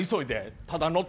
ただ乗って。